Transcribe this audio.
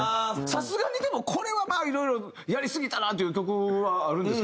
さすがにでもこれはまあいろいろやりすぎたなっていう曲はあるんですか？